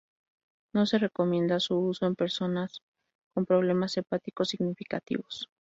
No se recomienda su uso en personas con problemas hepáticos significativos.